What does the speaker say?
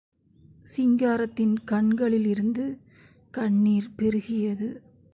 சிங்காரத்தின் கண்களில் இருந்து கண்ணீர் பெருகியது.